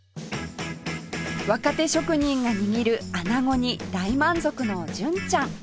若手職人が握る穴子に大満足の純ちゃん